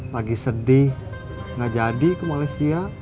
lagi sedih gak jadi ke malaysia